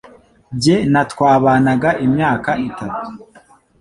Jye na twabanaga imyaka itatu.